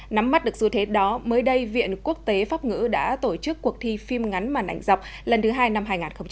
nắm mắt được xu thế đó mới đây viện quốc tế pháp ngữ đã tổ chức cuộc thi phim ngắn màn ảnh dọc lần thứ hai năm hai nghìn hai mươi